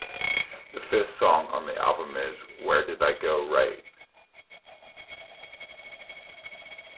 The fifth song on the album is "Where Did I Go Right?".